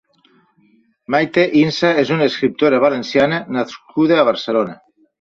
Maite Insa és una escriptora valenciana nascuda a Barcelona.